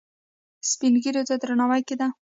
سپین ږیرو ته درناوی کیده